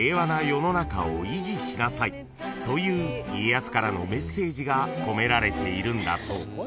［という家康からのメッセージが込められているんだそう］